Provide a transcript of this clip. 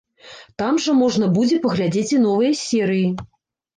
Там жа можна будзе паглядзець і новыя серыі.